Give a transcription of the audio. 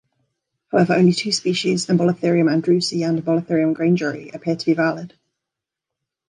However, only two species, "Embolotherium andrewsi" and "Embolotherium grangeri", appear to be valid.